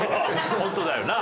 ホントだよな。